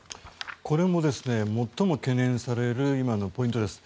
これも最も懸念される今のポイントです。